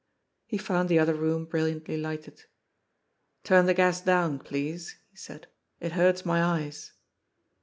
He found the other room brilliantly lighted. "Turn the gas down, please," he said; "it hurts my eyes."